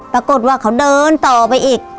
ปรากฏว่าเขาเดินต่อไปอีก